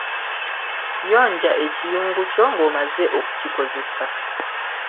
Yonja ekiyungu kyo ng'omaze okukikozesa.